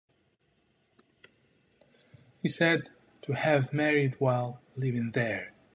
He is said to have married while living there.